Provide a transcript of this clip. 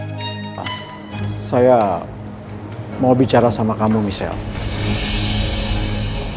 pak saya mau bicara sama kamu misal